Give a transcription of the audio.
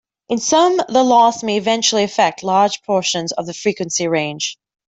In some the loss may eventually affect large portions of the frequency range.